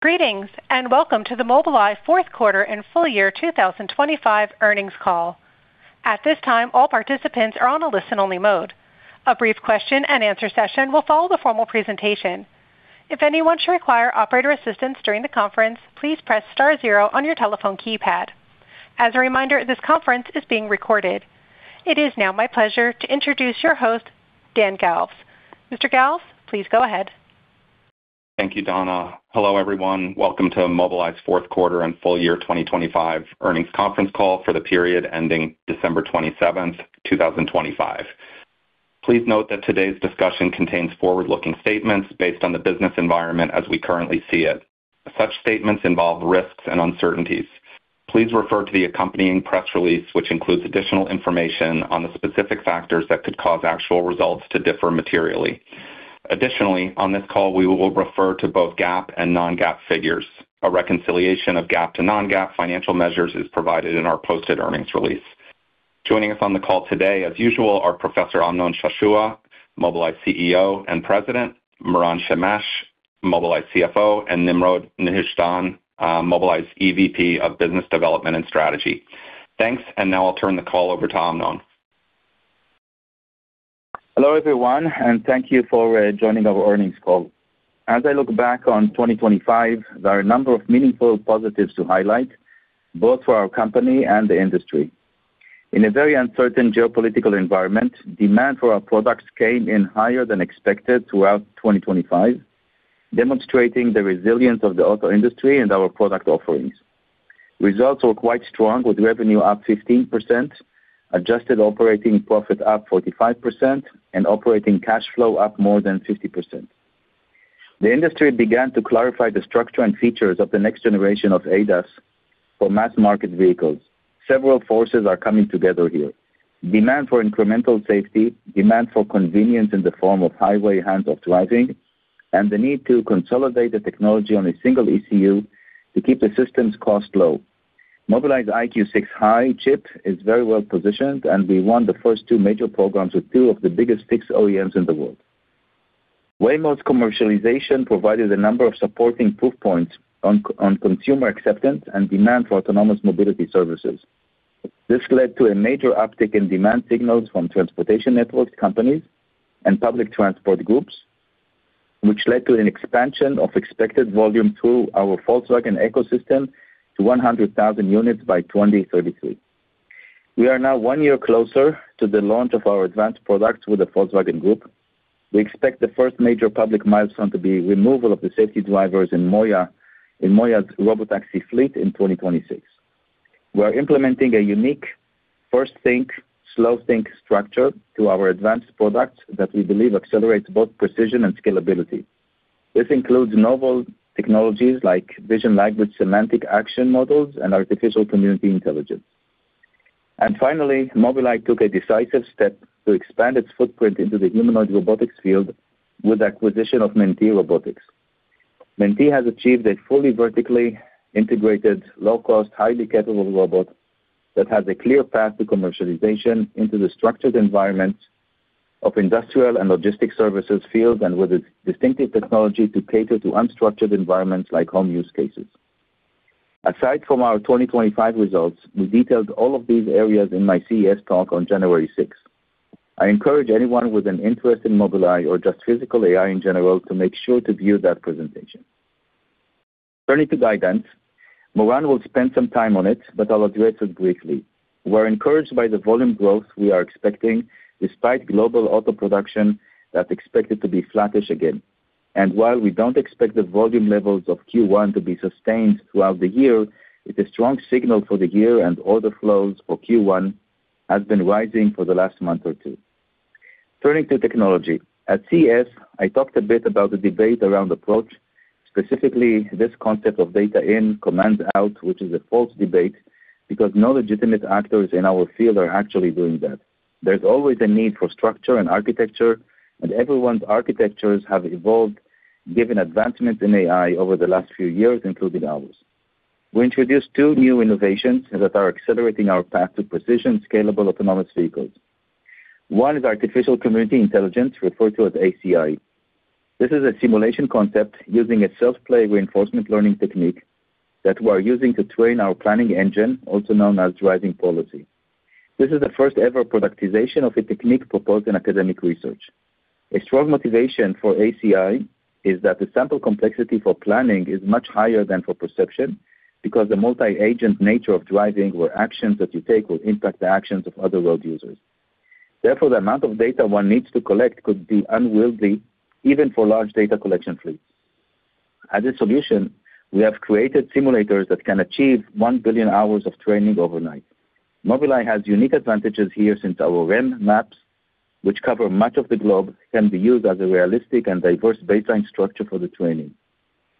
Greetings and welcome to the Mobileye Fourth Quarter and Full Year 2025 Earnings Call. At this time, all participants are on a listen-only mode. A brief question-and-answer session will follow the formal presentation. If anyone should require operator assistance during the conference, please press star zero on your telephone keypad. As a reminder, this conference is being recorded. It is now my pleasure to introduce your host, Dan Galves. Mr. Galves, please go ahead. Thank you, Donna. Hello, everyone. Welcome to Mobileye's Fourth Quarter and Full Year 2025 Earnings Conference Call for the period ending December 27th, 2025. Please note that today's discussion contains forward-looking statements based on the business environment as we currently see it. Such statements involve risks and uncertainties. Please refer to the accompanying press release, which includes additional information on the specific factors that could cause actual results to differ materially. Additionally, on this call, we will refer to both GAAP and non-GAAP figures. A reconciliation of GAAP to non-GAAP financial measures is provided in our posted earnings release. Joining us on the call today, as usual, are Professor Amnon Shashua, Mobileye CEO and President, Moran Shemesh, Mobileye CFO, and Nimrod Nehushtan, Mobileye's EVP of Business Development and Strategy. Thanks, and now I'll turn the call over to Amnon. Hello, everyone, and thank you for joining our earnings call. As I look back on 2025, there are a number of meaningful positives to highlight, both for our company and the industry. In a very uncertain geopolitical environment, demand for our products came in higher than expected throughout 2025, demonstrating the resilience of the auto industry and our product offerings. Results were quite strong, with revenue up 15%, adjusted operating profit up 45%, and operating cash flow up more than 50%. The industry began to clarify the structure and features of the next generation of ADAS for mass-market vehicles. Several forces are coming together here: demand for incremental safety, demand for convenience in the form of highway hands-off driving, and the need to consolidate the technology on a single ECU to keep the system's cost low. Mobileye's EyeQ6 High chip is very well positioned, and we won the first two major programs with two of the biggest fixed OEMs in the world. Waymo's commercialization provided a number of supporting proof points on consumer acceptance and demand for autonomous mobility services. This led to a major uptick in demand signals from transportation networks companies and public transport groups, which led to an expansion of expected volume through our Volkswagen ecosystem to 100,000 units by 2033. We are now one year closer to the launch of our advanced products with the Volkswagen Group. We expect the first major public milestone to be the removal of the safety drivers in MOIA's Robotaxi fleet in 2026. We are implementing a unique first-think, slow-think structure to our advanced products that we believe accelerates both precision and scalability. This includes novel technologies like vision language semantic action models and artificial community intelligence. Finally, Mobileye took a decisive step to expand its footprint into the humanoid robotics field with the acquisition of Mentee Robotics. Mentee has achieved a fully vertically integrated, low-cost, highly capable robot that has a clear path to commercialization into the structured environments of industrial and logistics services fields and with its distinctive technology to cater to unstructured environments like home use cases. Aside from our 2025 results, we detailed all of these areas in my CES talk on January 6th. I encourage anyone with an interest in Mobileye or just physical AI in general to make sure to view that presentation. Turning to guidance, Moran will spend some time on it, but I'll address it briefly. We're encouraged by the volume growth we are expecting despite global auto production that's expected to be flattish again. While we don't expect the volume levels of Q1 to be sustained throughout the year, it's a strong signal for the year and order flows for Q1 have been rising for the last month or two. Turning to technology, at CES, I talked a bit about the debate around approach, specifically this concept of data in, commands out, which is a false debate because no legitimate actors in our field are actually doing that. There's always a need for structure and architecture, and everyone's architectures have evolved given advancements in AI over the last few years, including ours. We introduced two new innovations that are accelerating our path to precision, scalable, autonomous vehicles. One is artificial community intelligence, referred to as ACI. This is a simulation concept using a self-play reinforcement learning technique that we are using to train our planning engine, also known as driving policy. This is the first-ever productization of a technique proposed in academic research. A strong motivation for ACI is that the sample complexity for planning is much higher than for perception because the multi-agent nature of driving where actions that you take will impact the actions of other road users. Therefore, the amount of data one needs to collect could be unwieldy, even for large data collection fleets. As a solution, we have created simulators that can achieve 1 billion hours of training overnight. Mobileye has unique advantages here since our REM maps, which cover much of the globe, can be used as a realistic and diverse baseline structure for the training.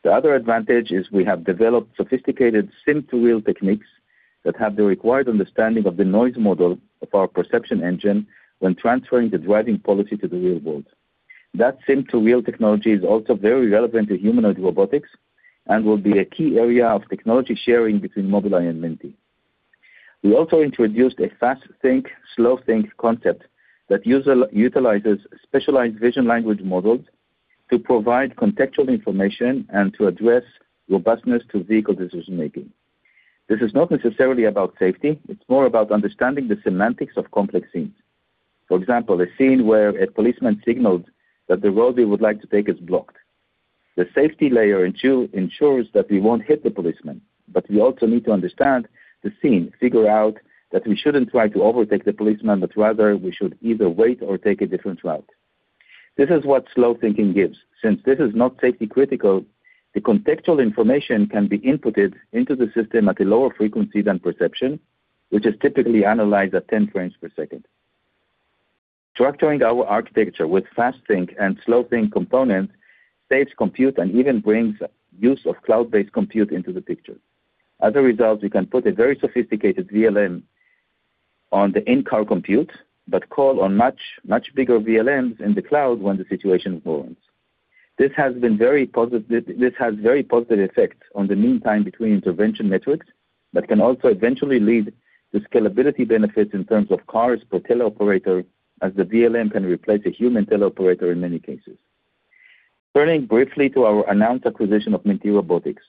The other advantage is we have developed sophisticated sim-to-real techniques that have the required understanding of the noise model of our perception engine when transferring the driving policy to the real world. That sim-to-real technology is also very relevant to humanoid robotics and will be a key area of technology sharing between Mobileye and Mentee. We also introduced a Fast-think, Slow-think concept that utilizes specialized vision language models to provide contextual information and to address robustness to vehicle decision-making. This is not necessarily about safety. It's more about understanding the semantics of complex scenes. For example, a scene where a policeman signals that the road we would like to take is blocked. The safety layer ensures that we won't hit the policeman, but we also need to understand the scene, figure out that we shouldn't try to overtake the policeman, but rather we should either wait or take a different route. This is what slow thinking gives. Since this is not safety-critical, the contextual information can be inputted into the system at a lower frequency than perception, which is typically analyzed at 10 frames per second. Structuring our architecture with fast-think and slow-think components saves compute and even brings use of cloud-based compute into the picture. As a result, you can put a very sophisticated VLM on the in-car compute but call on much, much bigger VLMs in the cloud when the situation warrants. This has very positive effects on the mean time between intervention networks but can also eventually lead to scalability benefits in terms of cars per teleoperator as the VLM can replace a human teleoperator in many cases. Turning briefly to our announced acquisition of Mentee Robotics,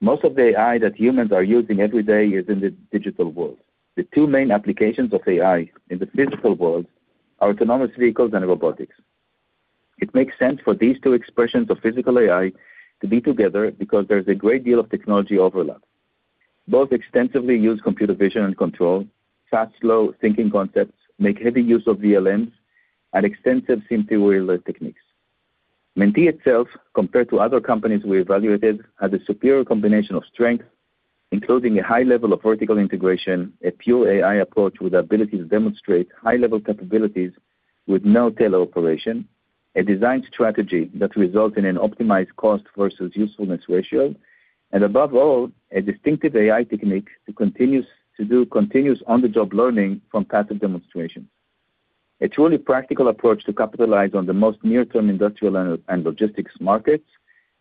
most of the AI that humans are using every day is in the digital world. The two main applications of AI in the physical world are autonomous vehicles and robotics. It makes sense for these two expressions of physical AI to be together because there's a great deal of technology overlap. Both extensively use computer vision and control, fast-slow thinking concepts, make heavy use of VLMs, and extensive sim-to-real techniques. Mentee itself, compared to other companies we evaluated, has a superior combination of strengths, including a high level of vertical integration, a pure AI approach with the ability to demonstrate high-level capabilities with no teleoperation, a design strategy that results in an optimized cost versus usefulness ratio, and above all, a distinctive AI technique to do continuous on-the-job learning from passive demonstrations. A truly practical approach to capitalize on the most near-term industrial and logistics markets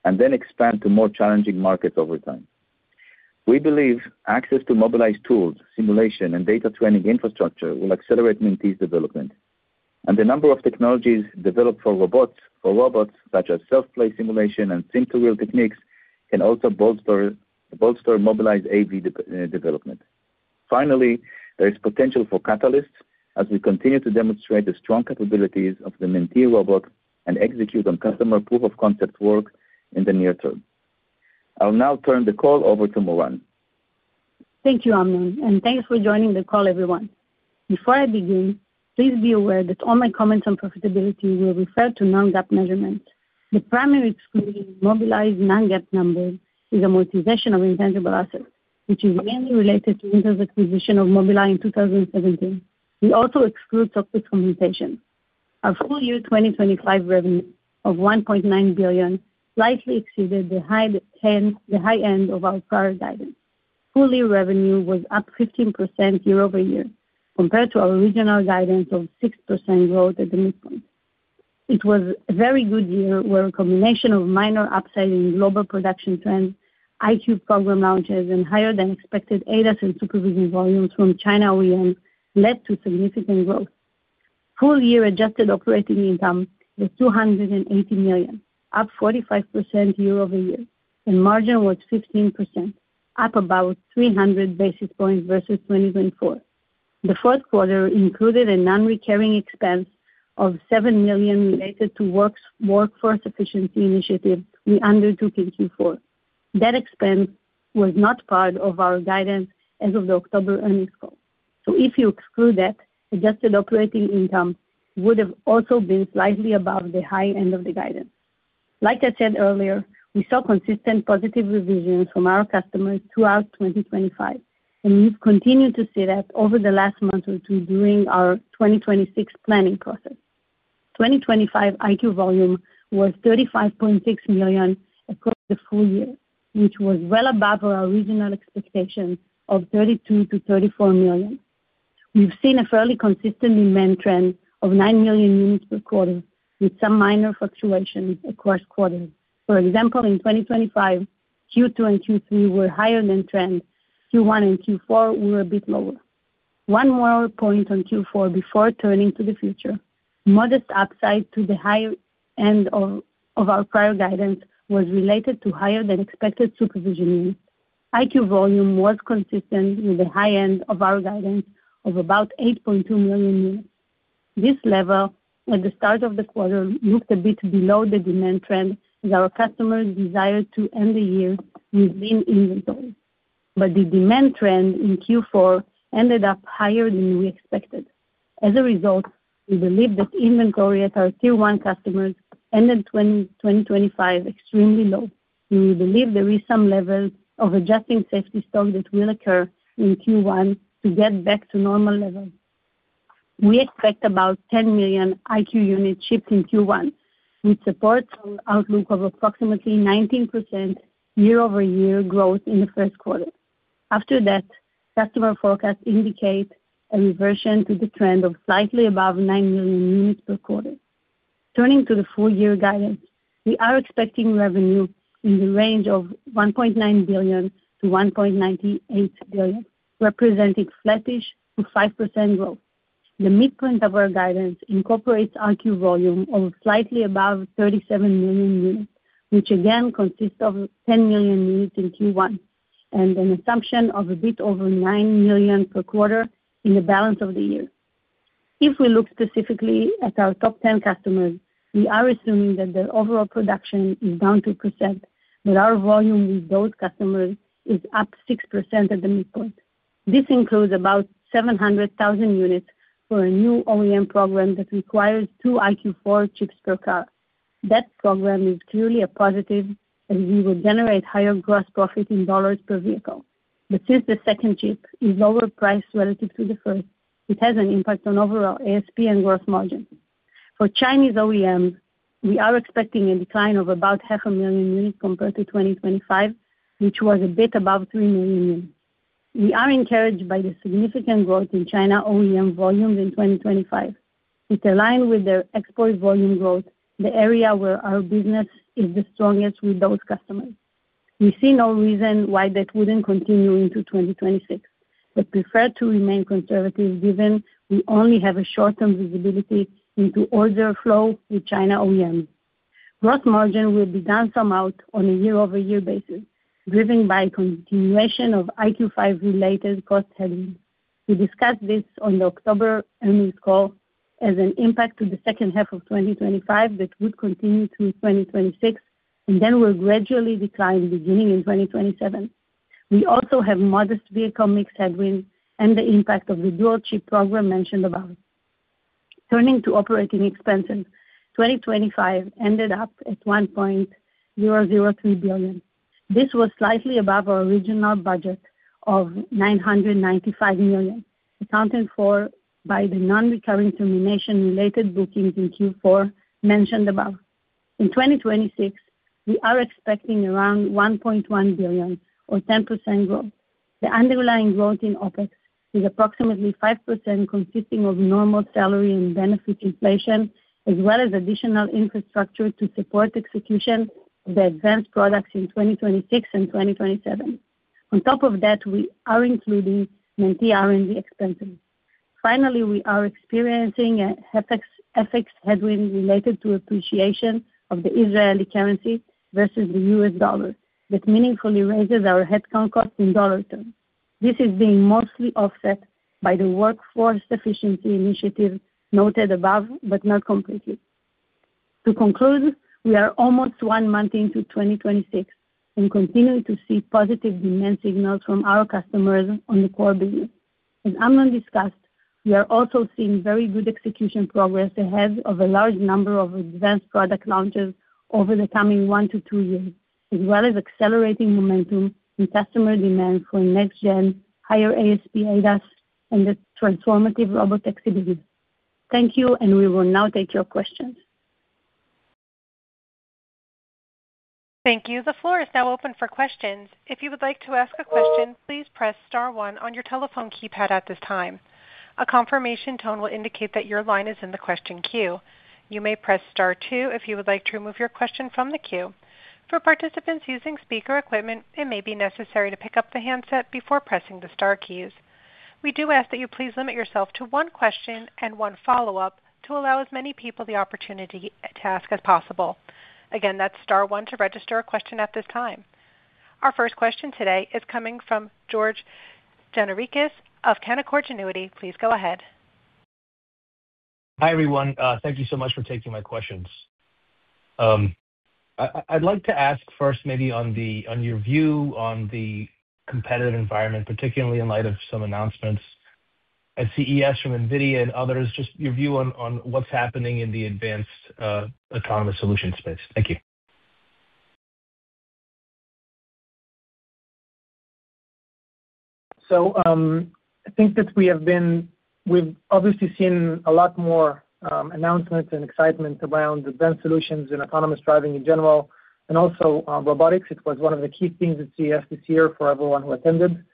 and then expand to more challenging markets over time. We believe access to Mobileye's tools, simulation, and data training infrastructure will accelerate Mentee's development. And the number of technologies developed for robots such as self-play simulation and sim-to-real techniques can also bolster Mobileye's AV development. Finally, there is potential for catalysts as we continue to demonstrate the strong capabilities of the Mentee Robot and execute on customer proof-of-concept work in the near term. I'll now turn the call over to Moran. Thank you, Amnon, and thanks for joining the call, everyone. Before I begin, please be aware that all my comments on profitability will refer to non-GAAP measurements. The primary excluding Mobileye's non-GAAP number is amortization of intangible assets, which is mainly related to Intel acquisition of Mobileye in 2017. We also exclude stock-based compensation. Our full-year 2025 revenue of $1.9 billion slightly exceeded the high end of our prior guidance. Full-year revenue was up 15% year-over-year compared to our original guidance of 6% growth at the midpoint. It was a very good year where a combination of minor upside in global production trends, EyeQ program launches, and higher-than-expected ADAS and SuperVision volumes from China OEMs led to significant growth. Full-year adjusted operating income was $280 million, up 45% year-over-year, and margin was 15%, up about 300 basis points versus 2024. The fourth quarter included a non-recurring expense of $7 million related to workforce efficiency initiatives we undertook in Q4. That expense was not part of our guidance as of the October earnings call. So if you exclude that, adjusted operating income would have also been slightly above the high end of the guidance. Like I said earlier, we saw consistent positive revisions from our customers throughout 2025, and we've continued to see that over the last month or two during our 2026 planning process. 2025 EyeQ volume was 35.6 million across the full year, which was well above our original expectation of 32 million-34 million. We've seen a fairly consistent demand trend of 9 million units per quarter with some minor fluctuation across quarters. For example, in 2025, Q2 and Q3 were higher than trend. Q1 and Q4 were a bit lower. One more point on Q4 before turning to the future. Modest upside to the high end of our prior guidance was related to higher-than-expected SuperVision units. EyeQ volume was consistent with the high end of our guidance of about 8.2 million units. This level at the start of the quarter looked a bit below the demand trend as our customers desired to end the year with lean inventory. But the demand trend in Q4 ended up higher than we expected. As a result, we believe that inventory at our Tier 1 customers ended 2025 extremely low, and we believe there is some level of adjusting safety stock that will occur in Q1 to get back to normal levels. We expect about 10 million EyeQ units shipped in Q1, which supports an outlook of approximately 19% year-over-year growth in the first quarter. After that, customer forecasts indicate a reversion to the trend of slightly above 9 million units per quarter. Turning to the full-year guidance, we are expecting revenue in the range of $1.9 billion-$1.98 billion, representing flattish to 5% growth. The midpoint of our guidance incorporates EyeQ volume of slightly above 37 million units, which again consists of 10 million units in Q1 and an assumption of a bit over 9 million per quarter in the balance of the year. If we look specifically at our top 10 customers, we are assuming that the overall production is down 2%, but our volume with those customers is up 6% at the midpoint. This includes about 700,000 units for a new OEM program that requires two EyeQ4 chips per car. That program is clearly a positive as we will generate higher gross profit in dollars per vehicle. But since the second chip is lower priced relative to the first, it has an impact on overall ASP and gross margin. For Chinese OEMs, we are expecting a decline of about 500,000 units compared to 2025, which was a bit above 3 million units. We are encouraged by the significant growth in China OEM volumes in 2025. It's aligned with their export volume growth, the area where our business is the strongest with those customers. We see no reason why that wouldn't continue into 2026, but prefer to remain conservative given we only have a short-term visibility into order flow with China OEMs. Gross margin will be down somewhat on a year-over-year basis, driven by continuation of EyeQ5-related cost headwinds. We discussed this on the October earnings call as an impact to the second half of 2025 that would continue through 2026, and then will gradually decline beginning in 2027. We also have modest vehicle mix headwinds and the impact of the dual chip program mentioned above. Turning to operating expenses, 2025 ended up at $1.003 billion. This was slightly above our original budget of $995 million, accounted for by the non-recurring termination-related bookings in Q4 mentioned above. In 2026, we are expecting around $1.1 billion or 10% growth. The underlying growth in OpEx is approximately 5%, consisting of normal salary and benefits inflation, as well as additional infrastructure to support execution of the advanced products in 2026 and 2027. On top of that, we are including Mentee R&D expenses. Finally, we are experiencing a FX headwind related to appreciation of the Israeli currency versus the U.S. dollar, which meaningfully raises our headcount costs in dollar terms. This is being mostly offset by the workforce efficiency initiative noted above, but not completely. To conclude, we are almost one month into 2026 and continue to see positive demand signals from our customers on the core business. As Amnon discussed, we are also seeing very good execution progress ahead of a large number of advanced product launches over the coming one to two years, as well as accelerating momentum in customer demand for next-gen higher ASP ADAS and the transformative robotaxi mobility. Thank you, and we will now take your questions. Thank you. The floor is now open for questions. If you would like to ask a question, please press star one on your telephone keypad at this time. A confirmation tone will indicate that your line is in the question queue. You may press star two if you would like to remove your question from the queue. For participants using speaker equipment, it may be necessary to pick up the handset before pressing the star keys. We do ask that you please limit yourself to one question and one follow-up to allow as many people the opportunity to ask as possible. Again, that's star one to register a question at this time. Our first question today is coming from George Gianarikas of Canaccord Genuity. Please go ahead. Hi, everyone. Thank you so much for taking my questions. I'd like to ask first, maybe on your view on the competitive environment, particularly in light of some announcements at CES from NVIDIA and others, just your view on what's happening in the advanced autonomous solution space. Thank you. I think that we've obviously seen a lot more announcements and excitement around advanced solutions and autonomous driving in general, and also robotics. It was one of the key things at CES this year for everyone who attended.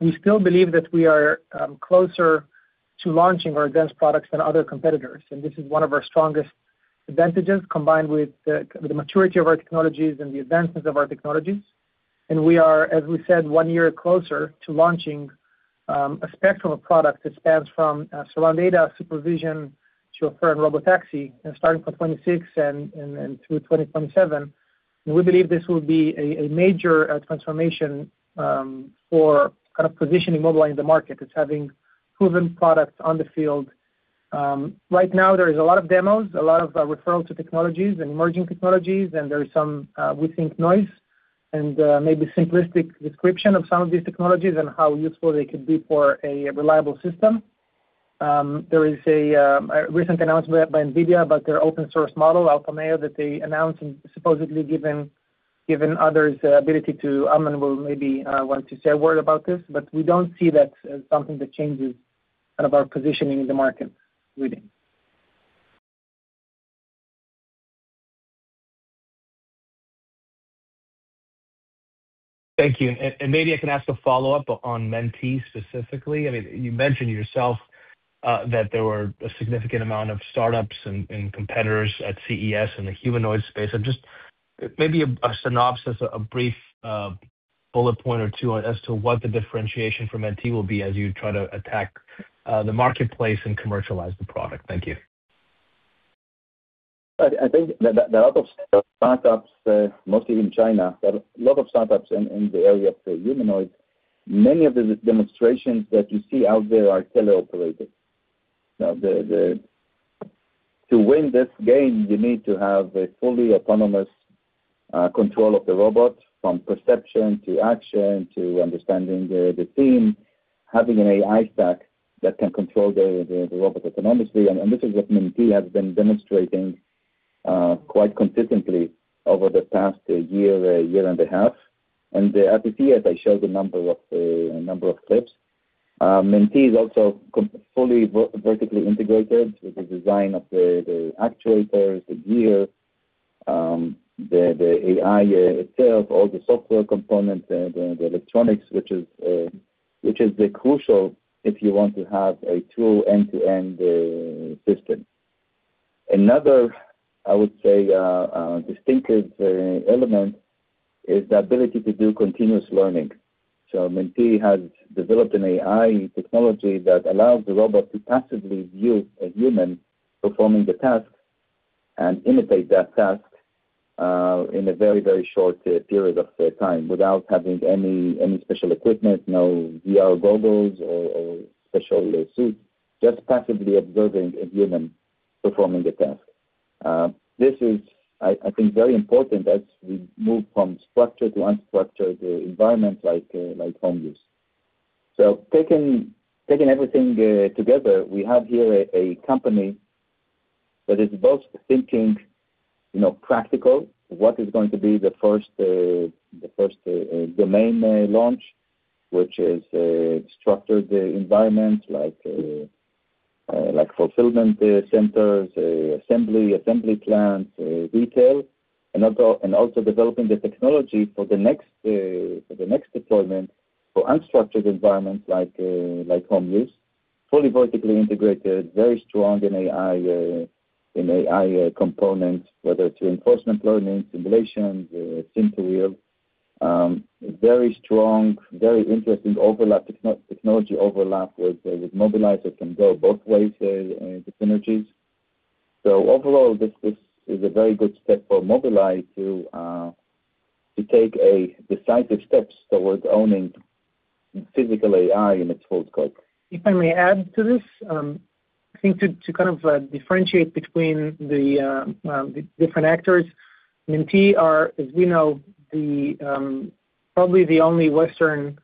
We still believe that we are closer to launching our advanced products than other competitors, and this is one of our strongest advantages combined with the maturity of our technologies and the advancements of our technologies. We are, as we said, one year closer to launching a spectrum of products that spans from surround data supervision to AV Robotaxi starting from 2026 and through 2027. We believe this will be a major transformation for kind of positioning Mobileye in the market. It's having proven products on the field. Right now, there is a lot of demos, a lot of reference to technologies and emerging technologies, and there is some, we think, noise and maybe simplistic description of some of these technologies and how useful they could be for a reliable system. There is a recent announcement by NVIDIA about their open-source model, Alpamayo, that they announced and supposedly given others the ability to, Amnon will maybe want to say a word about this, but we don't see that as something that changes kind of our positioning in the market leading. Thank you. And maybe I can ask a follow-up on Mentee specifically. I mean, you mentioned yourself that there were a significant amount of startups and competitors at CES in the humanoid space. And just maybe a synopsis, a brief bullet point or two as to what the differentiation for Mentee will be as you try to attack the marketplace and commercialize the product. Thank you. I think there are a lot of startups, mostly in China. There are a lot of startups in the area of humanoids. Many of the demonstrations that you see out there are tele-operated. Now, to win this game, you need to have a fully autonomous control of the robot from perception to action to understanding the scene, having an AI stack that can control the robot autonomously, and this is what Mentee has been demonstrating quite consistently over the past year, year and a half, and at the CES, I showed a number of clips. Mentee is also fully vertically integrated with the design of the actuators, the gear, the AI itself, all the software components, and the electronics, which is crucial if you want to have a true end-to-end system. Another, I would say, distinctive element is the ability to do continuous learning. So Mentee has developed an AI technology that allows the robot to passively view a human performing the task and imitate that task in a very, very short period of time without having any special equipment, no VR goggles or special suits, just passively observing a human performing the task. This is, I think, very important as we move from structured to unstructured environments like home use. So taking everything together, we have here a company that is both thinking practical, what is going to be the first domain launch, which is structured environments like fulfillment centers, assembly plants, retail, and also developing the technology for the next deployment for unstructured environments like home use, fully vertically integrated, very strong in AI components, whether it's reinforcement learning, simulations, sim-to-real, very strong, very interesting technology overlap with Mobileye that can go both ways to synergies. So overall, this is a very good step for Mobileye to take decisive steps towards owning physical AI in its full scope. If I may add to this, I think to kind of differentiate between the different actors, Mentee are, as we know, probably the only Western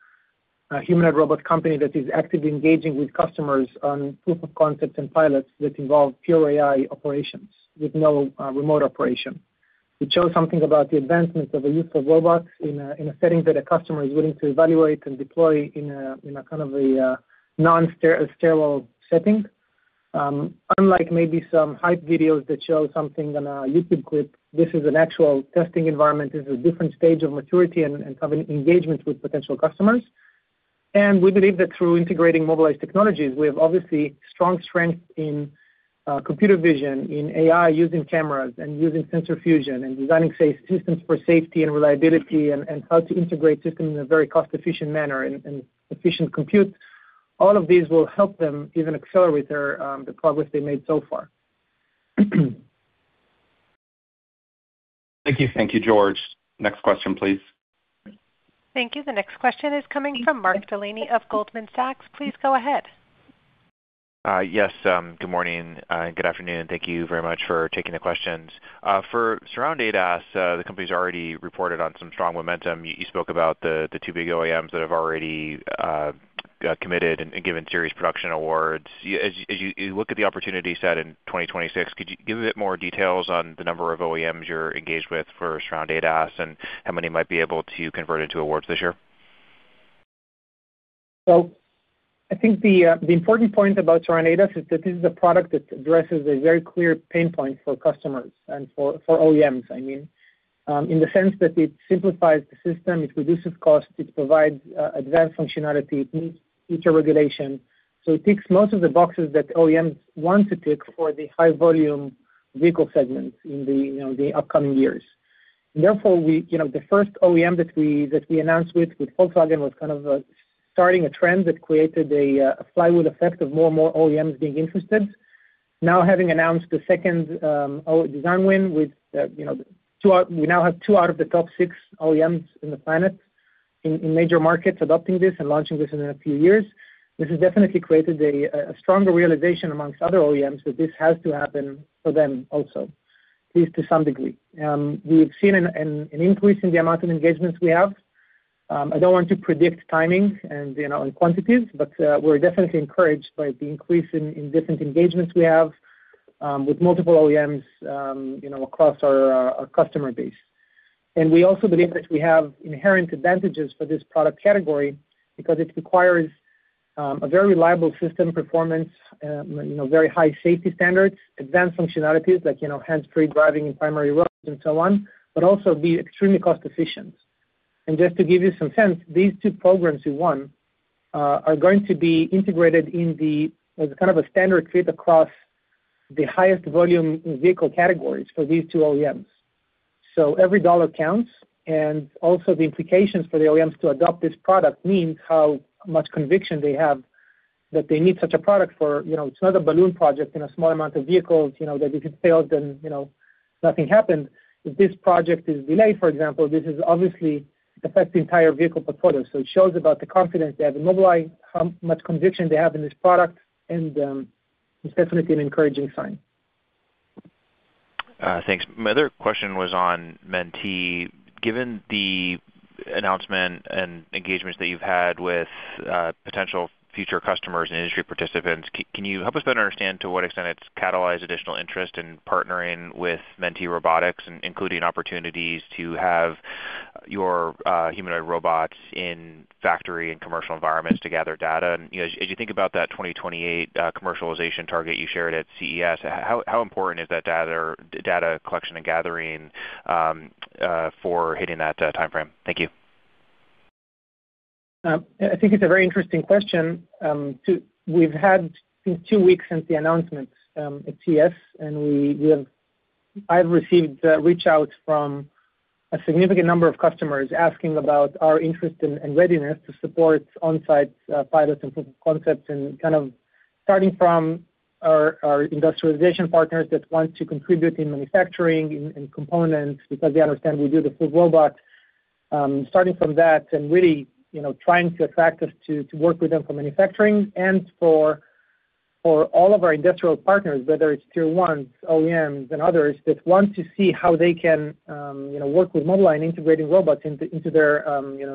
humanoid robot company that is actively engaging with customers on proof of concepts and pilots that involve pure AI operations with no remote operation. It shows something about the advancements of the use of robots in a setting that a customer is willing to evaluate and deploy in a kind of a non-sterile setting. Unlike maybe some hype videos that show something on a YouTube clip, this is an actual testing environment. This is a different stage of maturity and engagement with potential customers. And we believe that through integrating Mobileye's technologies, we have obviously strong strength in computer vision, in AI using cameras and using sensor fusion and designing systems for safety and reliability and how to integrate systems in a very cost-efficient manner and efficient compute. All of these will help them even accelerate the progress they made so far. Thank you. Thank you, George. Next question, please. Thank you. The next question is coming from Mark Delaney of Goldman Sachs. Please go ahead. Yes. Good morning. Good afternoon. Thank you very much for taking the questions. For Surround ADAS, the company's already reported on some strong momentum. You spoke about the two big OEMs that have already committed and given series production awards. As you look at the opportunity set in 2026, could you give a bit more details on the number of OEMs you're engaged with for Surround ADAS and how many might be able to convert into awards this year? So I think the important point about surround data is that this is a product that addresses a very clear pain point for customers and for OEMs, I mean, in the sense that it simplifies the system, it reduces costs, it provides advanced functionality, it meets future regulation. So it ticks most of the boxes that OEMs want to tick for the high-volume vehicle segment in the upcoming years. Therefore, the first OEM that we announced with Volkswagen was kind of starting a trend that created a flywheel effect of more and more OEMs being interested. Now, having announced the second design win with, we now have two out of the top six OEMs on the planet in major markets adopting this and launching this in a few years, this has definitely created a stronger realization among other OEMs that this has to happen for them also, at least to some degree. We've seen an increase in the amount of engagements we have. I don't want to predict timing and quantities, but we're definitely encouraged by the increase in different engagements we have with multiple OEMs across our customer base. And we also believe that we have inherent advantages for this product category because it requires a very reliable system performance, very high safety standards, advanced functionalities like hands-free driving in primary roads and so on, but also be extremely cost-efficient. And just to give you some sense, these two programs we won are going to be integrated in the kind of a standard fit across the highest volume vehicle categories for these two OEMs. So every dollar counts. And also, the implications for the OEMs to adopt this product means how much conviction they have that they need such a product, for it's not a balloon project in a small amount of vehicles that if it fails, then nothing happened. If this project is delayed, for example, this is obviously affecting the entire vehicle portfolio. So it shows about the confidence they have in Mobileye, how much conviction they have in this product, and it's definitely an encouraging sign. Thanks. My other question was on Mentee. Given the announcement and engagements that you've had with potential future customers and industry participants, can you help us better understand to what extent it's catalyzed additional interest in partnering with Mentee Robotics, including opportunities to have your humanoid robots in factory and commercial environments to gather data? As you think about that 2028 commercialization target you shared at CES, how important is that data collection and gathering for hitting that timeframe? Thank you. I think it's a very interesting question. We've had, in two weeks since the announcement at CES, and I've received reach-outs from a significant number of customers asking about our interest and readiness to support on-site pilots and proof of concepts and kind of starting from our industrialization partners that want to contribute in manufacturing and components because they understand we do the full robot, starting from that and really trying to attract us to work with them for manufacturing and for all of our industrial partners, whether it's tier ones, OEMs, and others that want to see how they can work with Mobileye and integrate robots into their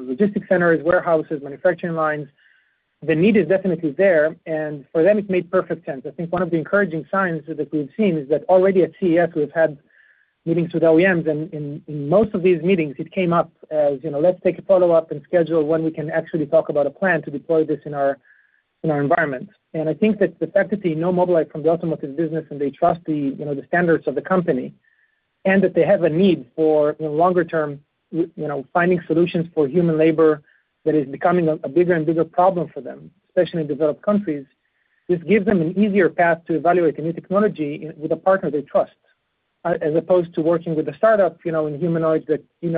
logistics centers, warehouses, manufacturing lines. The need is definitely there. And for them, it made perfect sense. I think one of the encouraging signs that we've seen is that already at CES, we've had meetings with OEMs. In most of these meetings, it came up as, "Let's take a follow-up and schedule when we can actually talk about a plan to deploy this in our environment." I think that the fact that they know Mobileye from the automotive business and they trust the standards of the company and that they have a need for longer-term finding solutions for human labor that is becoming a bigger and bigger problem for them, especially in developed countries, this gives them an easier path to evaluate a new technology with a partner they trust, as opposed to working with a startup in humanoids that who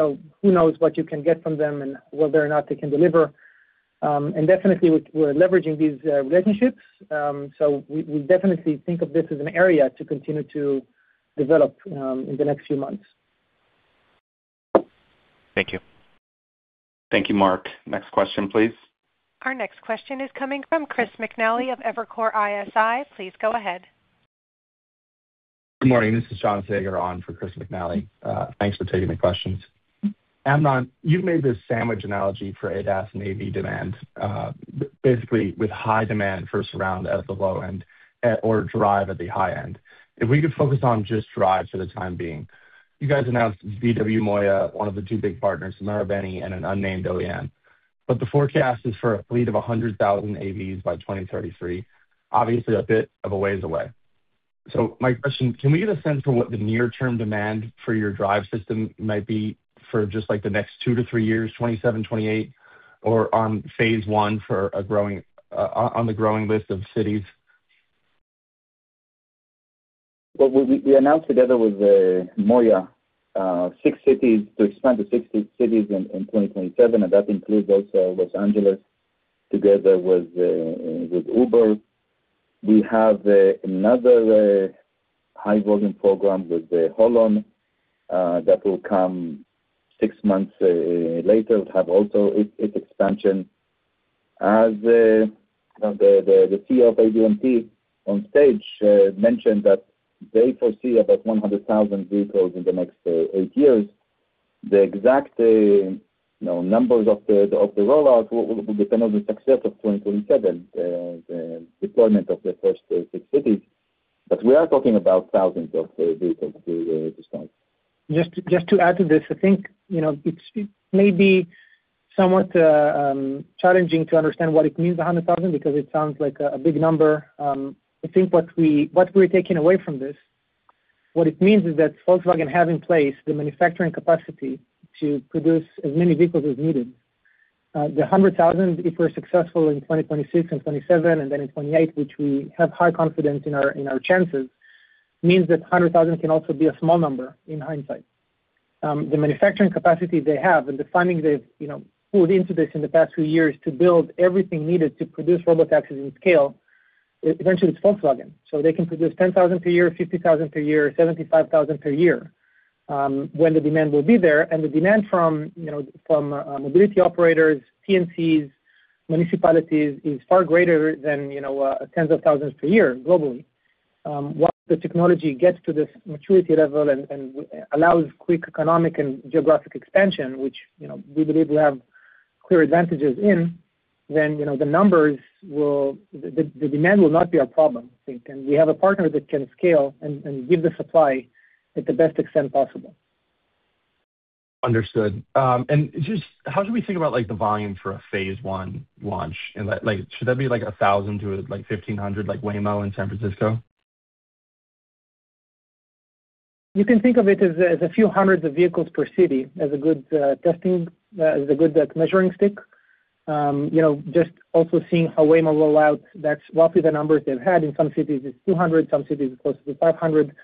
knows what you can get from them and whether or not they can deliver. Definitely, we're leveraging these relationships. We definitely think of this as an area to continue to develop in the next few months. Thank you. Thank you, Mark. Next question, please. Our next question is coming from Chris McNally of Evercore ISI. Please go ahead. Good morning. This is John Saager on for Chris McNally. Thanks for taking the questions. Amnon, you've made this sandwich analogy for ADAS and AV demand, basically with high demand for surround at the low end or Drive at the high end. If we could focus on just Drive for the time being, you guys announced VW-MOIA, one of the two big partners, Marubeni, and an unnamed OEM. But the forecast is for a fleet of 100,000 AVs by 2033, obviously a bit of a ways away. So my question, can we get a sense for what the near-term demand for your Drive system might be for just like the next two to three years, 2027, 2028, or on phase I on the growing list of cities? We announced together with MOIA six cities to expand to 60 cities in 2027. That includes also Los Angeles together with Uber. We have another high-volume program with Holon that will come six months later, have also its expansion. The CEO of ADMT on stage mentioned that they foresee about 100,000 vehicles in the next eight years. The exact numbers of the rollout will depend on the success of 2027, the deployment of the first six cities. We are talking about thousands of vehicles to start. Just to add to this, I think it may be somewhat challenging to understand what it means, 100,000, because it sounds like a big number. I think what we're taking away from this, what it means is that Volkswagen has in place the manufacturing capacity to produce as many vehicles as needed. The 100,000, if we're successful in 2026 and 2027 and then in 2028, which we have high confidence in our chances, means that 100,000 can also be a small number in hindsight. The manufacturing capacity they have and the funding they've pulled into this in the past few years to build everything needed to produce robotaxis in scale, essentially it's Volkswagen. So they can produce 10,000 per year, 50,000 per year, 75,000 per year when the demand will be there. The demand from mobility operators, TNCs, municipalities is far greater than tens of thousands per year globally. Once the technology gets to this maturity level and allows quick economic and geographic expansion, which we believe we have clear advantages in, then the demand will not be our problem, I think. We have a partner that can scale and give the supply at the best extent possible. Understood. And just how should we think about the volume for a phase I launch? Should that be like 1,000-1,500 like Waymo in San Francisco? You can think of it as a few hundreds of vehicles per city as a good measuring stick. Just also seeing how Waymo rolls out, that's roughly the numbers they've had. In some cities, it's 200. Some cities are closer to 500.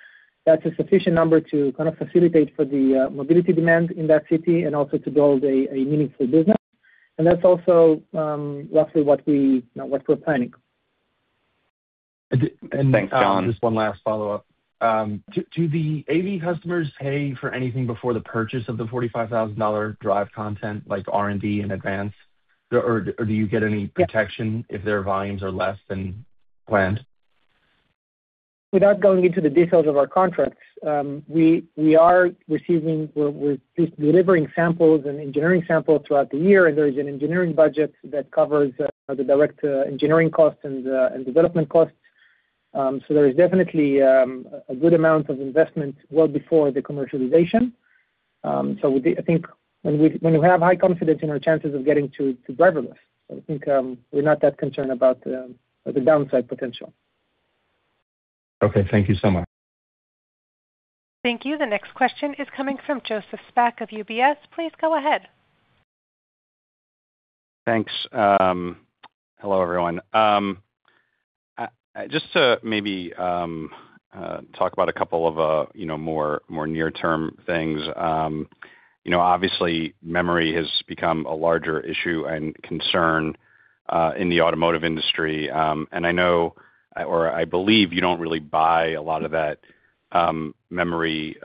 That's a sufficient number to kind of facilitate for the mobility demand in that city and also to build a meaningful business, and that's also roughly what we're planning. Thanks, John. Just one last follow-up. Do the AV customers pay for anything before the purchase of the $45,000 drive content like R&D in advance? Or do you get any protection if their volumes are less than planned? Without going into the details of our contracts, we are receiving or just delivering samples and engineering samples throughout the year, and there is an engineering budget that covers the direct engineering costs and development costs, so there is definitely a good amount of investment well before the commercialization, so I think when we have high confidence in our chances of getting to driverless, I think we're not that concerned about the downside potential. Okay. Thank you so much. Thank you. The next question is coming from Joseph Spak of UBS. Please go ahead. Thanks. Hello, everyone. Just to maybe talk about a couple of more near-term things. Obviously, memory has become a larger issue and concern in the automotive industry. And I know, or I believe you don't really buy a lot of that memory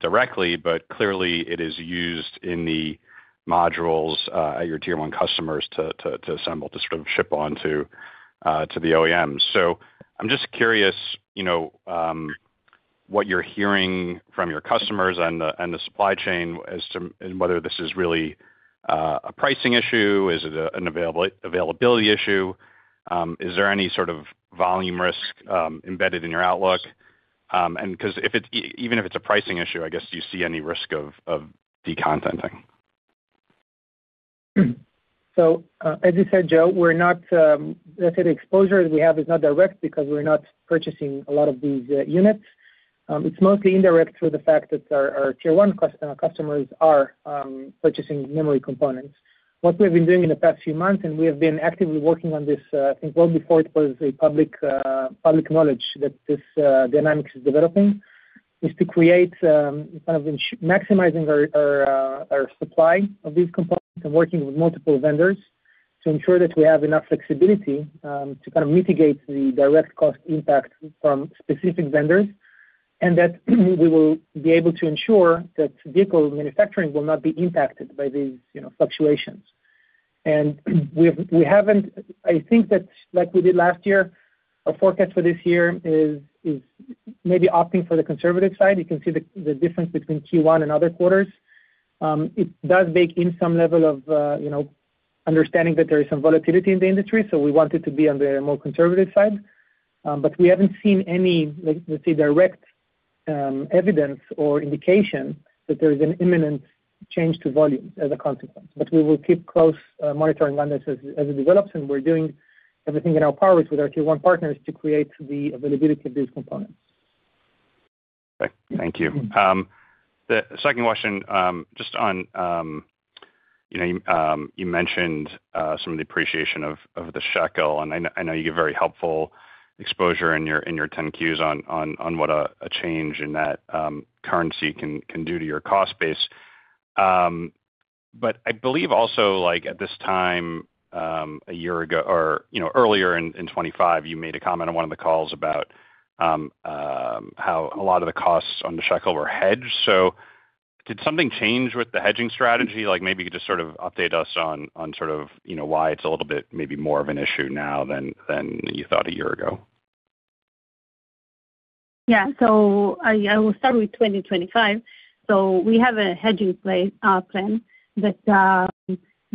directly, but clearly it is used in the modules at your Tier 1 customers to assemble to sort of ship onto the OEMs. So I'm just curious what you're hearing from your customers and the supply chain as to whether this is really a pricing issue. Is it an availability issue? Is there any sort of volume risk embedded in your outlook? And even if it's a pricing issue, I guess, do you see any risk of decontenting? So as you said, Joe, that's an exposure that we have is not direct because we're not purchasing a lot of these units. It's mostly indirect through the fact that our Tier 1 customers are purchasing memory components. What we have been doing in the past few months, and we have been actively working on this, I think well before it was public knowledge that this dynamic is developing, is to create kind of maximizing our supply of these components and working with multiple vendors to ensure that we have enough flexibility to kind of mitigate the direct cost impact from specific vendors and that we will be able to ensure that vehicle manufacturing will not be impacted by these fluctuations. And I think that, like we did last year, our forecast for this year is maybe opting for the conservative side. You can see the difference between Q1 and other quarters. It does bake in some level of understanding that there is some volatility in the industry. So we want it to be on the more conservative side. But we haven't seen any, let's say, direct evidence or indication that there is an imminent change to volume as a consequence. But we will keep close monitoring on this as it develops. We're doing everything in our powers with our Tier 1 partners to create the availability of these components. Thank you. The second question, just on you mentioned some of the appreciation of the shekel, and I know you give very helpful exposure in your 10-Qs on what a change in that currency can do to your cost base, but I believe also at this time, a year ago or earlier in 2025, you made a comment on one of the calls about how a lot of the costs on the shekel were hedged, so did something change with the hedging strategy? Maybe you could just sort of update us on sort of why it's a little bit maybe more of an issue now than you thought a year ago. Yeah. So I will start with 2025. We have a hedging plan that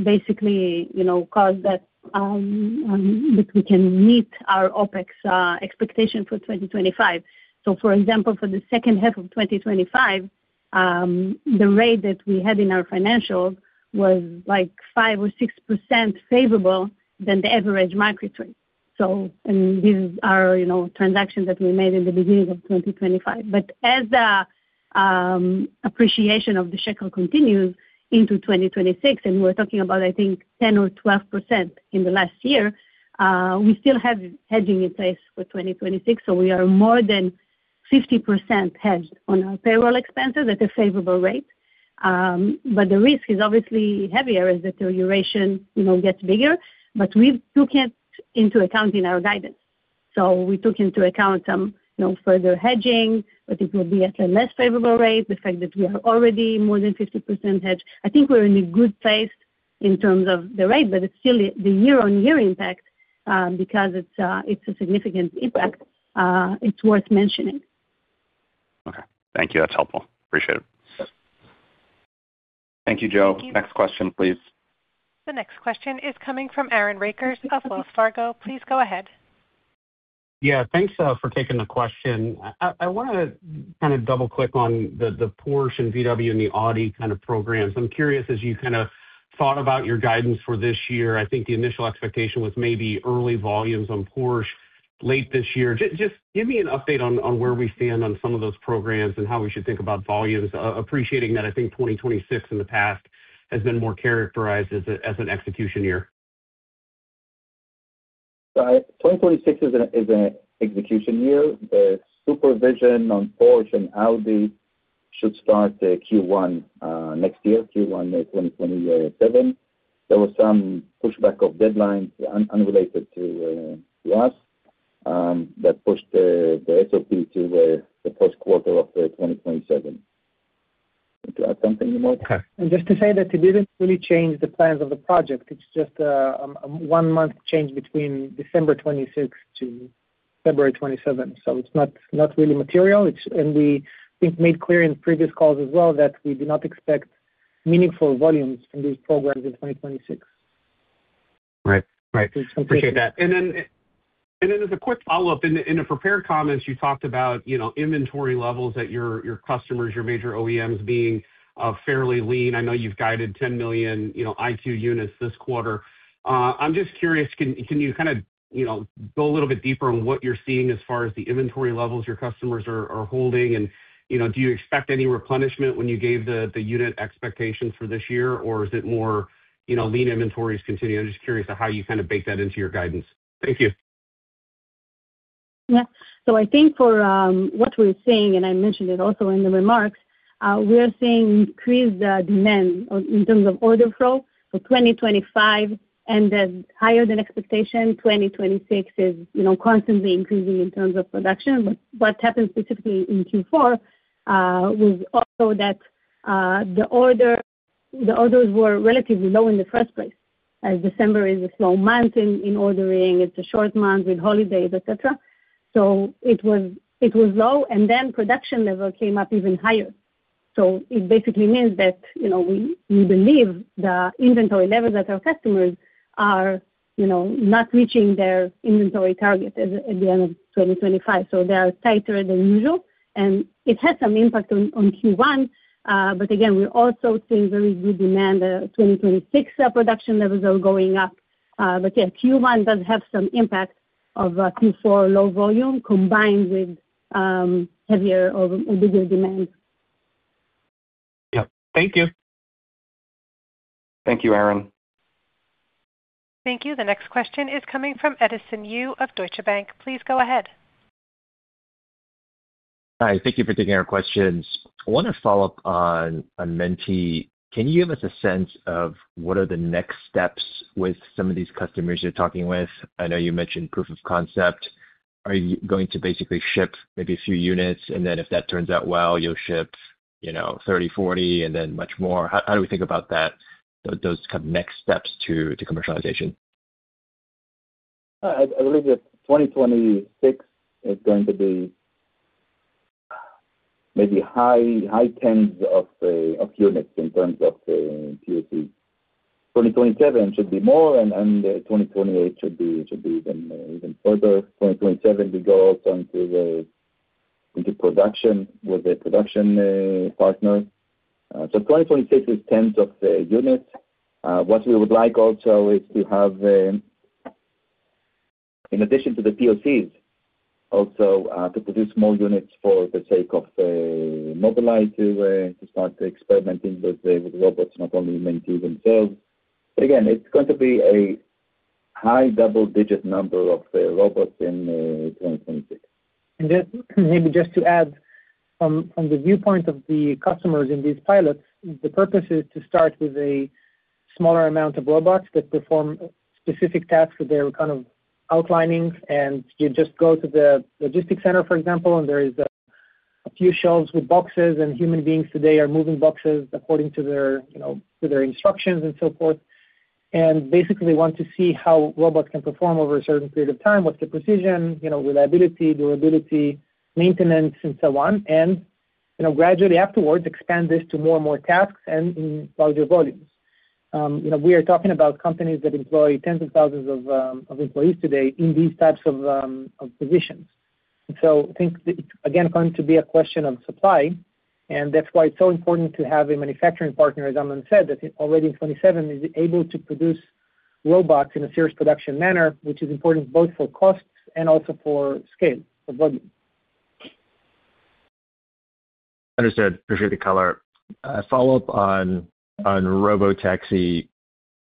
basically caused that we can meet our OpEx expectation for 2025. For example, for the second half of 2025, the rate that we had in our financials was like 5% or 6% favorable than the average market rate. These are transactions that we made in the beginning of 2025. But as the appreciation of the shekel continues into 2026, and we're talking about, I think, 10% or 12% in the last year, we still have hedging in place for 2026. We are more than 50% hedged on our payroll expenses at a favorable rate. The risk is obviously heavier as the duration gets bigger. We took it into account in our guidance. So we took into account some further hedging, but it will be at a less favorable rate, the fact that we are already more than 50% hedged. I think we're in a good place in terms of the rate, but it's still the year-on-year impact because it's a significant impact. It's worth mentioning. Okay. Thank you. That's helpful. Appreciate it. Thank you, Joe. Next question, please. The next question is coming from Aaron Rakers of Wells Fargo. Please go ahead. Yeah. Thanks for taking the question. I want to kind of double-click on the Porsche and VW and the Audi kind of programs. I'm curious, as you kind of thought about your guidance for this year, I think the initial expectation was maybe early volumes on Porsche late this year. Just give me an update on where we stand on some of those programs and how we should think about volumes, appreciating that I think 2026 in the past has been more characterized as an execution year. So 2026 is an execution year. The SuperVision on Porsche and Audi should start Q1 next year, Q1 2027. There was some pushback of deadlines unrelated to us that pushed the SOP to the first quarter of 2027. Want to add something, Nimrod? Just to say that it didn't really change the plans of the project. It's just a one-month change between December 26th to February 27th. It's not really material. We think made clear in previous calls as well that we do not expect meaningful volumes from these programs in 2026. Right. Right. Appreciate that. And then as a quick follow-up, in the prepared comments, you talked about inventory levels at your customers, your major OEMs being fairly lean. I know you've guided 10 million EyeQ units this quarter. I'm just curious, can you kind of go a little bit deeper on what you're seeing as far as the inventory levels your customers are holding? And do you expect any replenishment when you gave the unit expectations for this year, or is it more lean inventories continuing? I'm just curious how you kind of bake that into your guidance. Thank you. Yeah. So I think for what we're seeing, and I mentioned it also in the remarks, we are seeing increased demand in terms of order flow for 2025, and then higher than expectation, 2026 is constantly increasing in terms of production. But what happened specifically in Q4 was also that the orders were relatively low in the first place. As December is a slow month in ordering, it's a short month with holidays, etc. So it was low. And then production level came up even higher. So it basically means that we believe the inventory levels that our customers are not reaching their inventory target at the end of 2025. So they are tighter than usual. And it has some impact on Q1. But again, we're also seeing very good demand. 2026 production levels are going up. But yeah, Q1 does have some impact of Q4 low volume combined with heavier or bigger demand. Yep. Thank you. Thank you, Aaron. Thank you. The next question is coming from Edison Yu of Deutsche Bank. Please go ahead. Hi. Thank you for taking our questions. I want to follow up on Mentee. Can you give us a sense of what are the next steps with some of these customers you're talking with? I know you mentioned proof of concept. Are you going to basically ship maybe a few units, and then if that turns out well, you'll ship 30, 40, and then much more? How do we think about those kind of next steps to commercialization? I believe that 2026 is going to be maybe high tens of units in terms of POC. 2027 should be more, and 2028 should be even further. 2027, we go also into production with a production partner. So 2026 is tens of units. What we would like also is to have, in addition to the POCs, also to produce more units for the sake of Mobileye to start experimenting with robots, not only Mentee themselves. But again, it's going to be a high double-digit number of robots in 2026. And maybe just to add, from the viewpoint of the customers in these pilots, the purpose is to start with a smaller amount of robots that perform specific tasks that they're kind of outlining. And you just go to the logistics center, for example, and there are a few shelves with boxes, and human beings today are moving boxes according to their instructions and so forth. And basically, they want to see how robots can perform over a certain period of time, what's the precision, reliability, durability, maintenance, and so on, and gradually afterwards expand this to more and more tasks and in larger volumes. We are talking about companies that employ tens of thousands of employees today in these types of positions. And so I think, again, it's going to be a question of supply. That's why it's so important to have a manufacturing partner, as Amnon said, that already in 2027 is able to produce robots in a serious production manner, which is important both for costs and also for scale, for volume. Understood. Appreciate the color. Follow-up on Robotaxi.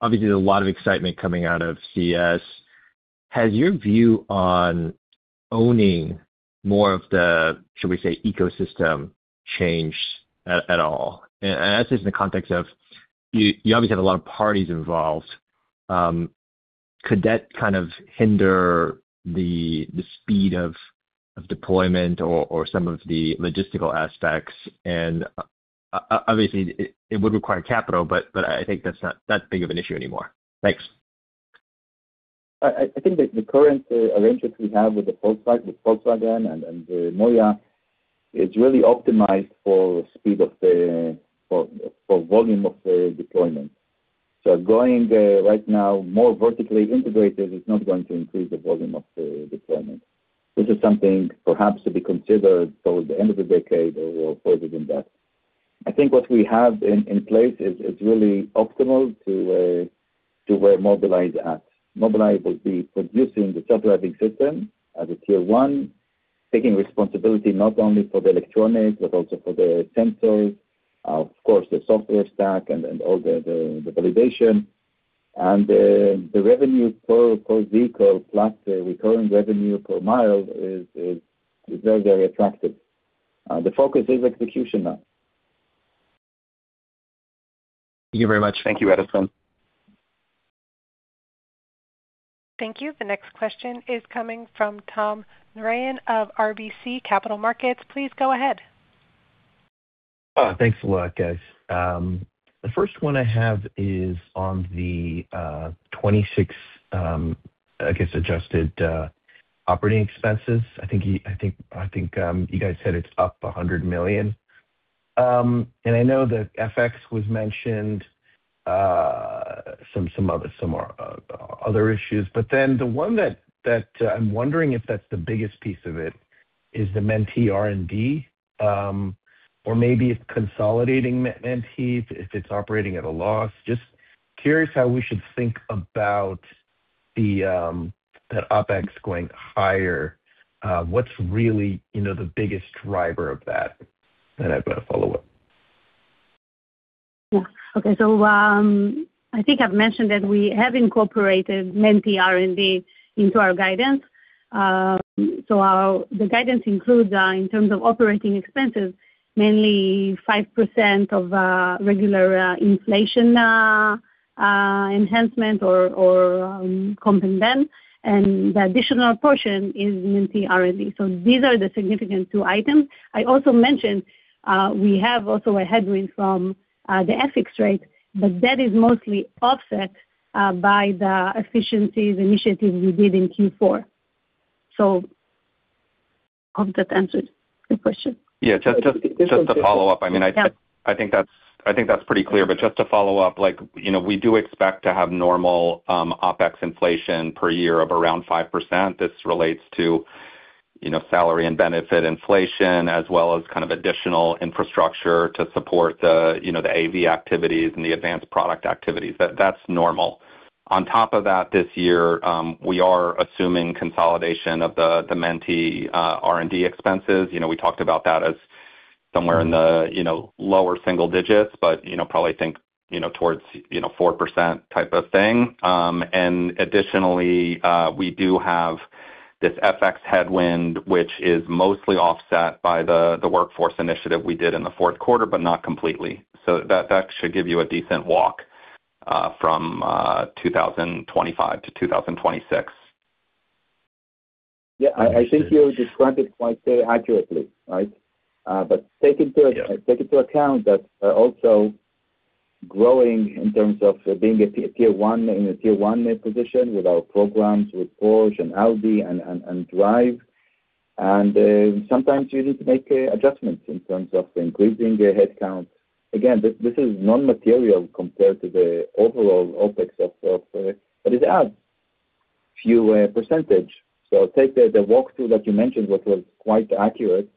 Obviously, there's a lot of excitement coming out of CES. Has your view on owning more of the, shall we say, ecosystem changed at all? And I ask this in the context of you obviously have a lot of parties involved. Could that kind of hinder the speed of deployment or some of the logistical aspects? And obviously, it would require capital, but I think that's not that big of an issue anymore. Thanks. I think the current arrangements we have with Volkswagen and MOIA is really optimized for speed of the volume of deployment. So going right now more vertically integrated is not going to increase the volume of deployment. This is something perhaps to be considered towards the end of the decade or further than that. I think what we have in place is really optimal to where Mobileye's at. Mobileye will be producing the self-driving system as a Tier 1, taking responsibility not only for the electronics, but also for the sensors, of course, the software stack, and all the validation. And the revenue per vehicle plus the recurring revenue per mile is very, very attractive. The focus is execution now. Thank you very much. Thank you, Edison. Thank you. The next question is coming from Tom Narayan of RBC Capital Markets. Please go ahead. Thanks a lot, guys. The first one I have is on the 2026, I guess, adjusted operating expenses. I think you guys said it's up $100 million. And I know that FX was mentioned, some other issues. But then the one that I'm wondering if that's the biggest piece of it is the Mentee R&D, or maybe it's consolidating Mentee if it's operating at a loss. Just curious how we should think about that OpEx going higher. What's really the biggest driver of that? Then I've got a follow-up. Yeah. Okay. So I think I've mentioned that we have incorporated Mentee R&D into our guidance. So the guidance includes, in terms of operating expenses, mainly 5% of regular inflation enhancement or comp, and then the additional portion is Mentee R&D. So these are the significant two items. I also mentioned we have also a headwind from the FX rate, but that is mostly offset by the efficiencies initiative we did in Q4. So I hope that answered the question. Yeah. Just to follow up, I mean, I think that's pretty clear, but just to follow up, we do expect to have normal OpEx inflation per year of around 5%. This relates to salary and benefit inflation as well as kind of additional infrastructure to support the AV activities and the advanced product activities. That's normal. On top of that, this year, we are assuming consolidation of the Mentee R&D expenses. We talked about that as somewhere in the lower single digits, but probably think towards 4% type of thing, and additionally, we do have this FX headwind, which is mostly offset by the workforce initiative we did in the fourth quarter, but not completely, so that should give you a decent walk from 2025 to 2026. Yeah. I think you described it quite accurately, right, but take into account that also growing in terms of being a Tier 1 in a Tier 1 position with our programs with Porsche and Audi and Drive, and sometimes you need to make adjustments in terms of increasing headcount. Again, this is non-material compared to the overall OpEx of what it adds, few percentage, so take the walkthrough that you mentioned, which was quite accurate,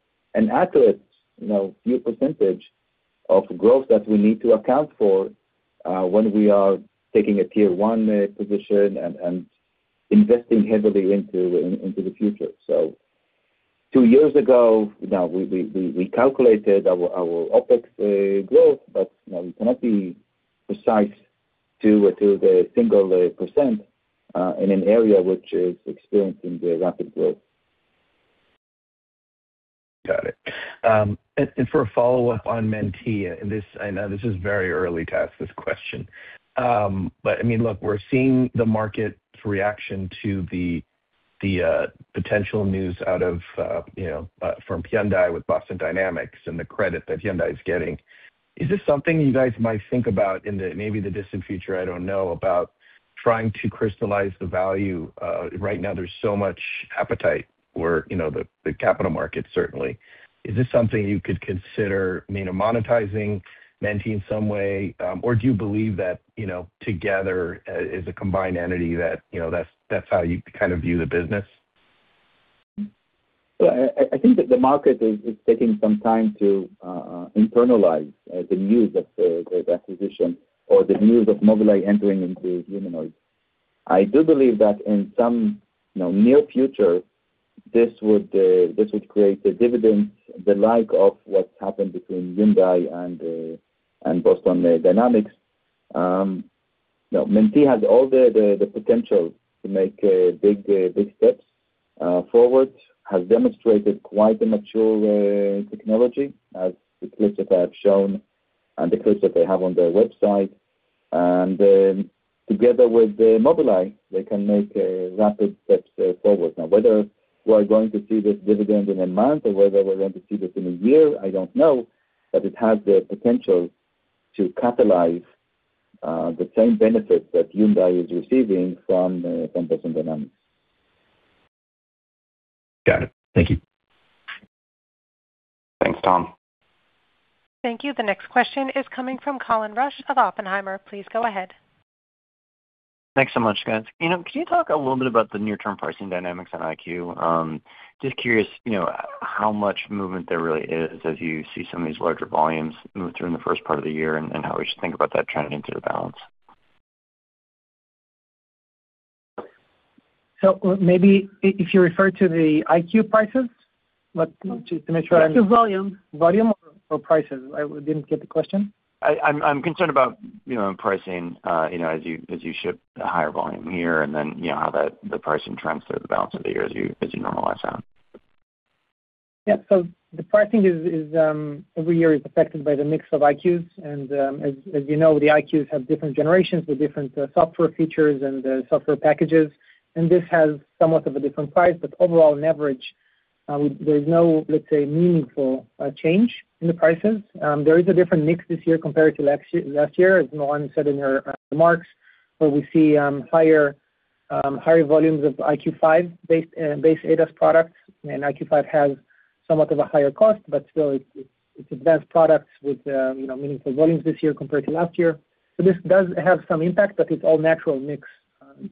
few percentage of growth that we need to account for when we are taking a Tier 1 position and investing heavily into the future, so two years ago, we calculated our OpEx growth, but we cannot be precise to the single percent in an area which is experiencing the rapid growth. Got it. And for a follow-up on Mentee, I know this is very early to ask this question. But I mean, look, we're seeing the market's reaction to the potential news out of from Hyundai with Boston Dynamics and the credit that Hyundai is getting. Is this something you guys might think about in maybe the distant future? I don't know about trying to crystallize the value. Right now, there's so much appetite for the capital market, certainly. Is this something you could consider monetizing Mentee in some way? Or do you believe that together as a combined entity, that's how you kind of view the business? So I think that the market is taking some time to internalize the news of the acquisition or the news of Mobileye entering into humanoid. I do believe that in some near future, this would create a dividend, the like of what's happened between Hyundai and Boston Dynamics. Mentee has all the potential to make big steps forward, has demonstrated quite a mature technology, as the clips that I have shown and the clips that they have on their website. And together with Mobileye, they can make rapid steps forward. Now, whether we're going to see this dividend in a month or whether we're going to see this in a year, I don't know, but it has the potential to catalyze the same benefits that Hyundai is receiving from Boston Dynamics. Got it. Thank you. Thanks, Tom. Thank you. The next question is coming from Colin Rusch of Oppenheimer. Please go ahead. Thanks so much, guys. Can you talk a little bit about the near-term pricing dynamics on EyeQ? Just curious how much movement there really is as you see some of these larger volumes move through in the first part of the year and how we should think about that trending to the balance? So, maybe if you refer to the EyeQ prices, just to make sure I'm. EyeQ volume. Volume or prices? I didn't get the question. I'm concerned about pricing as you ship a higher volume here and then how the pricing trends through the balance of the year as you normalize out. Yeah. So the pricing every year is affected by the mix of EyeQs. And as you know, the EyeQs have different generations with different software features and software packages. And this has somewhat of a different price. But overall, on average, there's no, let's say, meaningful change in the prices. There is a different mix this year compared to last year, as Moran said in her remarks, where we see higher volumes of EyeQ5-based ADAS products. And EyeQ5 has somewhat of a higher cost, but still, it's advanced products with meaningful volumes this year compared to last year. So this does have some impact, but it's all natural mix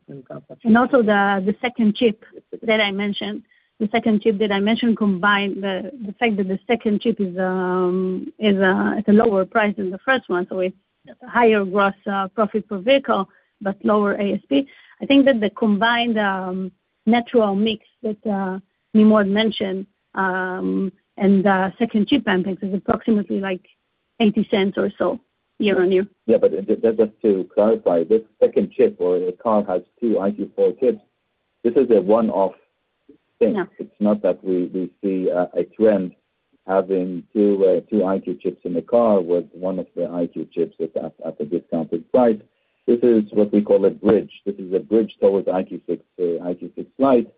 in some questions. Also, the second chip that I mentioned, the second chip that I mentioned, combined the fact that the second chip is at a lower price than the first one, so it's a higher gross profit per vehicle, but lower ASP. I think that the combined natural mix that Nimrod mentioned and the second chip, I think, is approximately like $0.80 or so year on year. Yeah, but just to clarify, this second chip, where the car has two EyeQ4 chips, this is a one-off thing. It's not that we see a trend having two EyeQ chips in the car with one of the EyeQ chips at a discounted price. This is what we call a bridge. This is a bridge towards EyeQ6 Lite.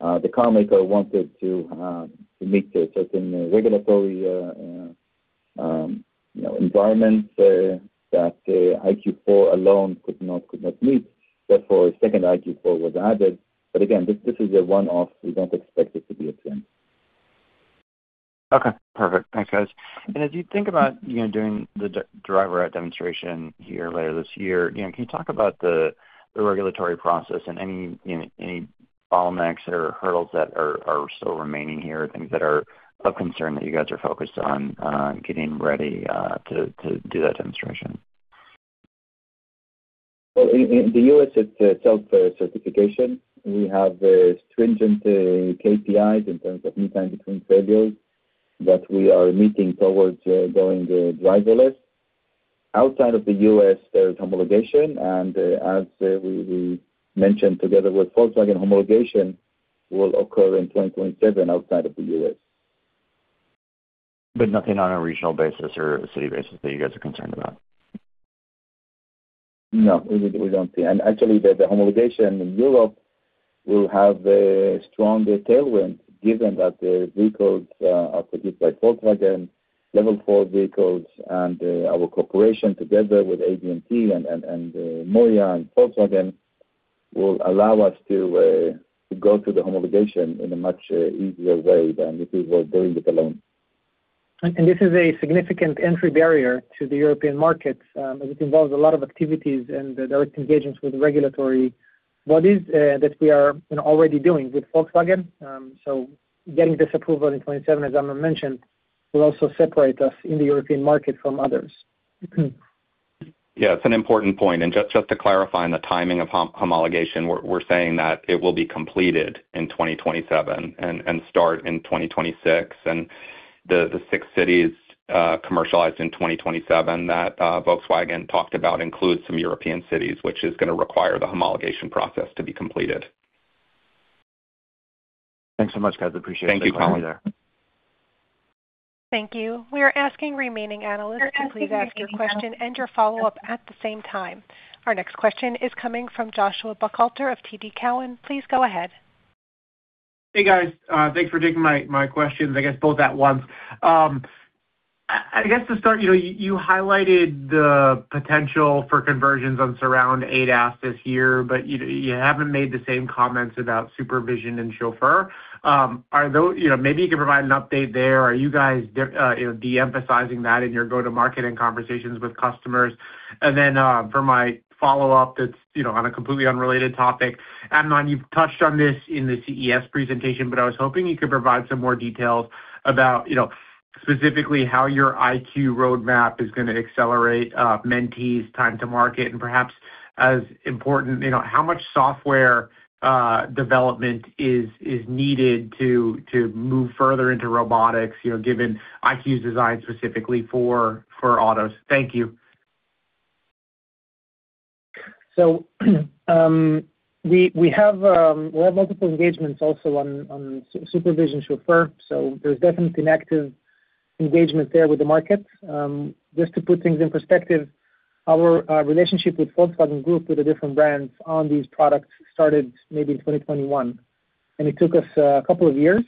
The car maker wanted to meet a certain regulatory environment that EyeQ4 alone could not meet. Therefore, a second EyeQ4 was added. But again, this is a one-off. We don't expect it to be a trend. Okay. Perfect. Thanks, guys. And as you think about doing the Drive route demonstration here later this year, can you talk about the regulatory process and any bottlenecks or hurdles that are still remaining here, things that are of concern that you guys are focused on getting ready to do that demonstration? In the U.S., it's self-certification. We have stringent KPIs in terms of mean time between failures that we are meeting towards going driverless. Outside of the U.S., there is homologation. And as we mentioned, together with Volkswagen, homologation will occur in 2027 outside of the U.S. But nothing on a regional basis or city basis that you guys are concerned about? No. We don't see. Actually, the homologation in Europe will have a strong tailwind given that the vehicles are produced by Volkswagen, Level 4 vehicles, and our corporation together with ADMT and MOIA and Volkswagen will allow us to go through the homologation in a much easier way than if we were doing it alone. This is a significant entry barrier to the European markets as it involves a lot of activities and direct engagements with regulatory bodies that we are already doing with Volkswagen. Getting this approval in 2027, as Amnon mentioned, will also separate us in the European market from others. Yeah. It's an important point and just to clarify on the timing of homologation, we're saying that it will be completed in 2027 and start in 2026 and the six cities commercialized in 2027 that Volkswagen talked about include some European cities, which is going to require the homologation process to be completed. Thanks so much, guys. Appreciate your time with me there. Thank you, Colin. Thank you. We are asking remaining analysts to please ask your question and your follow-up at the same time. Our next question is coming from Joshua Buchalter of TD Cowen. Please go ahead. Hey, guys. Thanks for taking my questions, I guess, both at once. I guess to start, you highlighted the potential for conversions on Surround ADAS this year, but you haven't made the same comments about SuperVision and Chauffeur. Maybe you can provide an update there. Are you guys de-emphasizing that in your go-to-market and conversations with customers? And then for my follow-up that's on a completely unrelated topic, Amnon, you've touched on this in the CES presentation, but I was hoping you could provide some more details about specifically how your EyeQ roadmap is going to accelerate Mentee's time to market. And perhaps as important, how much software development is needed to move further into robotics given EyeQ's design specifically for autos? Thank you. We have multiple engagements also on SuperVision Chauffeur. There's definitely an active engagement there with the market. Just to put things in perspective, our relationship with Volkswagen Group with the different brands on these products started maybe in 2021. It took us a couple of years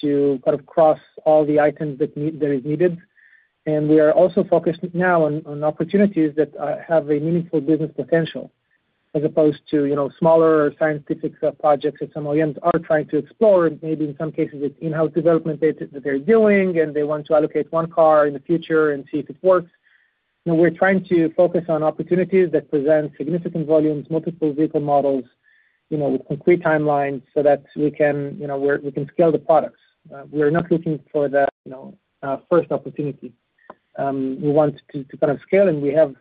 to kind of cross all the items that are needed. We are also focused now on opportunities that have a meaningful business potential as opposed to smaller scientific projects that some OEMs are trying to explore. Maybe in some cases, it's in-house development that they're doing, and they want to allocate one car in the future and see if it works. We're trying to focus on opportunities that present significant volumes, multiple vehicle models with concrete timelines so that we can scale the products. We're not looking for the first opportunity. We want to kind of scale, and we have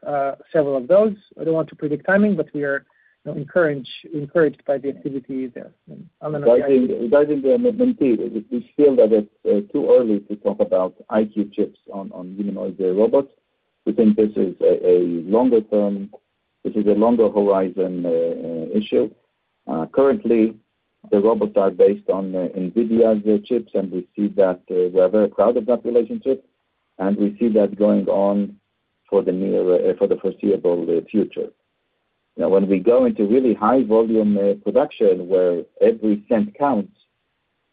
several of those. I don't want to predict timing, but we are encouraged by the activity there. Guys in Mentee, we feel that it's too early to talk about EyeQ chips on humanoid robots. We think this is a longer-term, this is a longer horizon issue. Currently, the robots are based on NVIDIA's chips, and we see that we're very proud of that relationship, and we see that going on for the foreseeable future. Now, when we go into really high-volume production where every cent counts,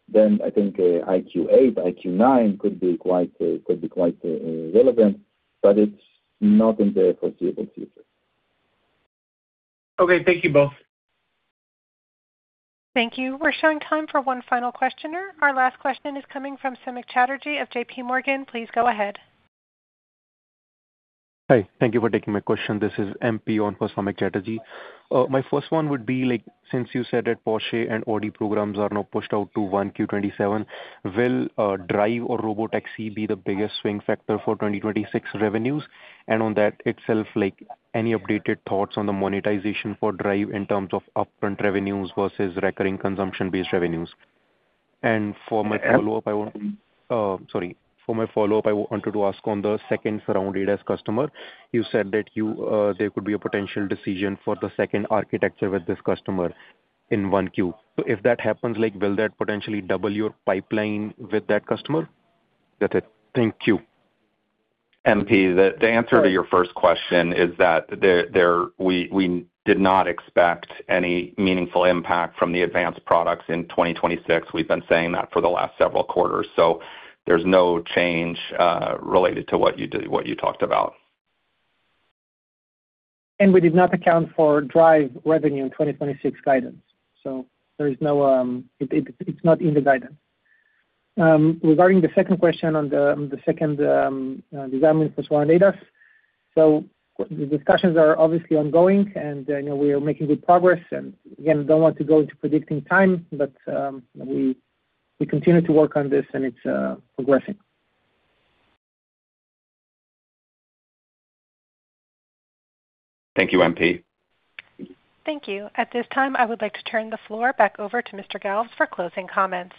then I think EyeQ8, EyeQ9 could be quite relevant, but it's not in the foreseeable future. Okay. Thank you both. Thank you. We're showing time for one final questioner. Our last question is coming from Samik Chatterjee of JPMorgan. Please go ahead. Hi. Thank you for taking my question. This is MP on for Samik Chatterjee. My first one would be, since you said that Porsche and Audi programs are now pushed out to 1Q 2027, will Drive or Robotaxi be the biggest swing factor for 2026 revenues? And on that itself, any updated thoughts on the monetization for Drive in terms of upfront revenues versus recurring consumption-based revenues? And for my follow-up, I want—sorry. For my follow-up, I wanted to ask on the second Surround ADAS customer. You said that there could be a potential decision for the second architecture with this customer in 1Q. So if that happens, will that potentially double your pipeline with that customer? That's it. Thank you. MP, the answer to your first question is that we did not expect any meaningful impact from the advanced products in 2026. We've been saying that for the last several quarters. So there's no change related to what you talked about. We did not account for Drive revenue in 2026 guidance. So there is no, it's not in the guidance. Regarding the second question on the second design with surround ADAS, so the discussions are obviously ongoing, and we are making good progress. Again, I don't want to go into predicting time, but we continue to work on this, and it's progressing. Thank you, MP. Thank you. At this time, I would like to turn the floor back over to Mr. Galves for closing comments.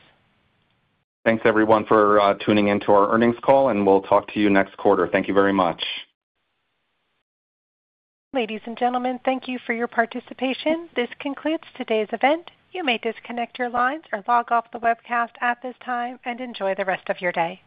Thanks, everyone, for tuning into our earnings call, and we'll talk to you next quarter. Thank you very much. Ladies and gentlemen, thank you for your participation. This concludes today's event. You may disconnect your lines or log off the webcast at this time and enjoy the rest of your day.